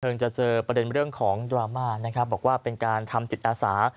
จะเจอประเด็นเรื่องของดราม่านะครับบอกว่าเป็นการทำจิตอาสา